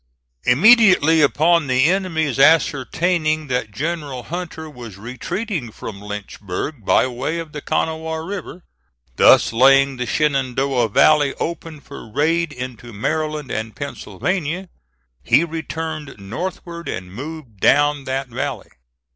Immediately upon the enemy's ascertaining that General Hunter was retreating from Lynchburg by way of the Kanawha River, thus laying the Shenandoah Valley open for raid into Maryland and Pennsylvania, he returned northward and moved down that valley.